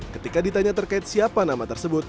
ketika ditanya terkait siapa nama tersebut